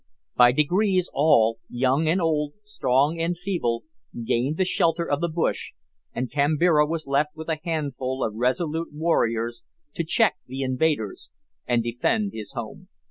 By degrees all young and old, strong and feeble gained the shelter of the bush, and Kambira was left with a handful of resolute warriors to check the invaders and defend his home.